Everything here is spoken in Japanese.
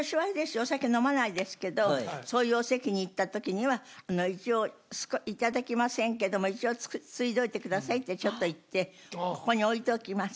お酒飲まないですけどそういうお席に行った時には一応頂きませんけどもついでおいてくださいってちょっと言ってここに置いておきます。